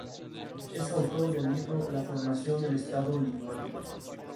Es autor del libro "La formación del estado lituano".